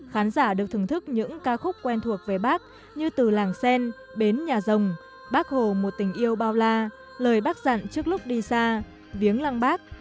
khán giả được thưởng thức những ca khúc quen thuộc về bác như từ làng sen bến nhà rồng bác hồ một tình yêu bao la lời bác dặn trước lúc đi xa viếng lăng bác